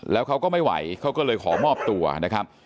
แล้วเขาก็ไม่ไหวเขาก็เลยขอมอบตัวนะครับ